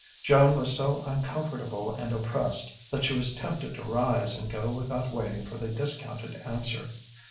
Joan was so uncomfortable and oppressed that she was tempted to rise and go without waiting for the discounted answer.